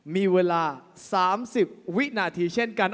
มีเวลา๓๐วินาทีเช่นกัน